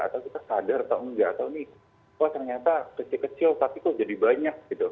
atau kita sadar atau enggak atau ini ternyata kecil kecil tapi tuh jadi banyak